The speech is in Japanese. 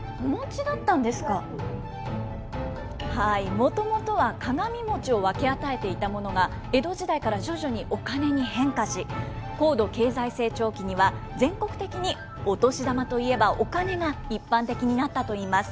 もともとは鏡餅を分け与えていたものが、江戸時代から徐々にお金に変化し、高度経済成長期には全国的にお年玉といえばお金が一般的になったといいます。